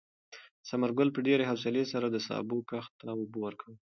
ثمر ګل په ډېرې حوصلې سره د سابو کښت ته اوبه ورکولې.